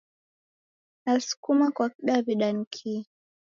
Na Sukuma kwa kidaw'ida ni kihi?